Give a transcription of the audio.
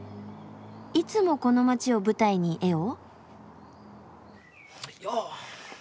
いつもこの街を舞台に絵を？